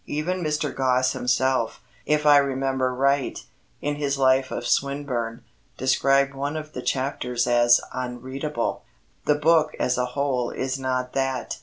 Even Mr. Gosse himself, if I remember right, in his Life of Swinburne, described one of the chapters as "unreadable." The book as a whole is not that.